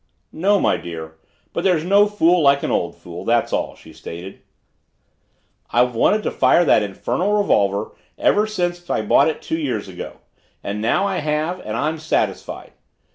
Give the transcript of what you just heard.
"No, my dear but there's no fool like an old fool that's all," she stated. "I've wanted to fire that infernal revolver off ever since I bought it two years ago, and now I have and I'm satisfied.